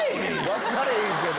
分かれへんけど。